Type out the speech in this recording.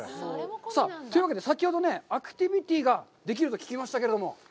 さあ、というわけで、先ほどアクティビティができると聞きましたけれども。